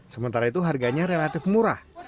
sementara itu harganya relatif murah